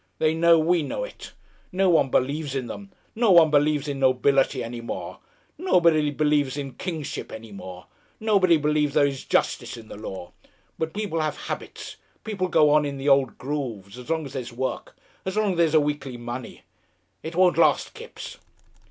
They know we know it.... No one believes in them. No one believes in nobility any more. Nobody believes in kingship any more. Nobody believes there is justice in the law.... But people have habits, people go on in the old grooves, as long as there's work, as long as there's weekly money.... It won't last, Kipps."